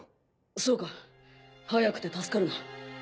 そうか早くて助かるな。